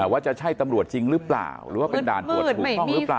ว่าจะใช่ตำรวจจริงหรือเปล่าหรือว่าเป็นด่านตรวจถูกต้องหรือเปล่า